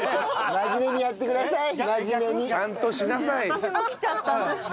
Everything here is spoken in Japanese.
真面目にやってくださいよ！